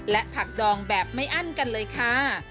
และผักดองแบบไม่อั้นกันเลยค่ะ